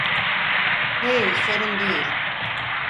Hey, sorun değil.